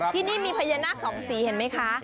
ที่นี่มีพญานาคสองสีเห็นไหมคะ